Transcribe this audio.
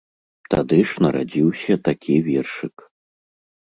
Тады ж нарадзіўся такі вершык.